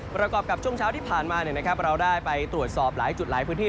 ประกอบกับช่วงเช้าที่ผ่านมาเราได้ไปตรวจสอบหลายจุดหลายพื้นที่